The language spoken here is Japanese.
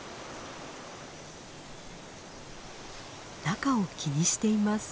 中を気にしています。